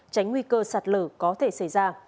tránh nguy cơ sạt lở có thể xảy ra